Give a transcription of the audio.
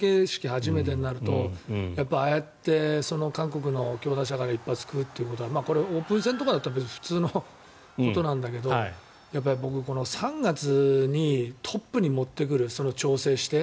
初めてになるとああやって韓国の強打者から一発食うということはこれ、オープン戦とかだったら普通のことなんだけど僕、３月にトップに持ってくる調整して。